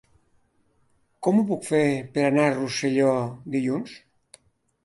Com ho puc fer per anar a Rosselló dilluns?